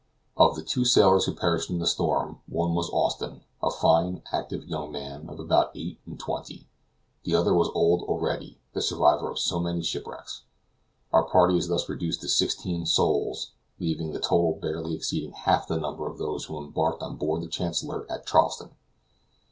Of the two sailors who perished in the storm, one was Austin, a fine active young man of about eight and twenty; the other was old O'Ready, the survivor of so many shipwrecks. Our party is thus reduced to sixteen souls, leaving a total barely exceeding half the number of those who embarked on board the Chancellor at Charleston.